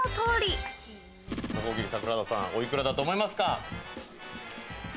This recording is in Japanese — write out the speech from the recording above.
お幾らだと思いますか？